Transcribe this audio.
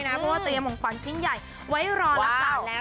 เพราะว่าเตรียมของขวัญชิ้นใหญ่ไว้รอรักษาแล้ว